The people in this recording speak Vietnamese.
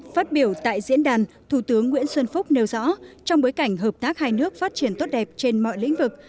phát biểu tại diễn đàn thủ tướng nguyễn xuân phúc nêu rõ trong bối cảnh hợp tác hai nước phát triển tốt đẹp trên mọi lĩnh vực